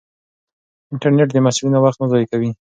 انټرنیټ د محصلینو وخت نه ضایع کوي.